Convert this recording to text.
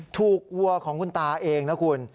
วัวของคุณตาเองนะคุณ